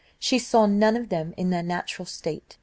She saw none of them in their natural state.